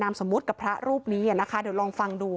นามสมุทรกับพระรูปนี้เดี๋ยวลองฟังดู